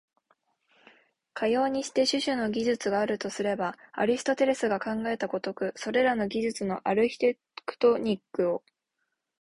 かようにして種々の技術があるとすれば、アリストテレスが考えた如く、それらの技術のアルヒテクトニックを、